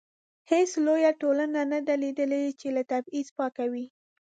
هیڅ لویه ټولنه نه ده لیدلې چې له تبعیض پاکه وي.